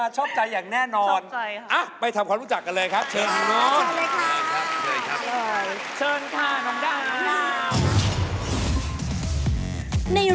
ชอบใจอย่างแน่นอนชอบใจ